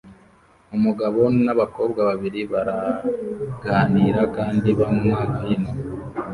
Umugabo nabakobwa babiri baraganira kandi banywa vino